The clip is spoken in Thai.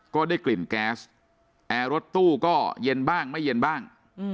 ก็ได้กลิ่นแก๊สแอร์รถตู้ก็เย็นบ้างไม่เย็นบ้าง